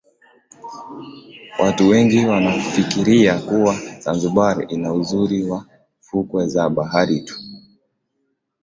Watu wengi huwa wanafikiria kuwa Zanzibar ina uzuri wa fukwe za bahari tu